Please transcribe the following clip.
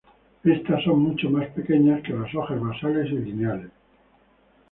Estos son mucho más pequeñas que las hojas basales y lineales.